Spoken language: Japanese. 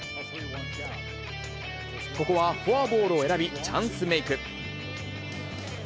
ここはフォアボールを選び、チャンスメーク。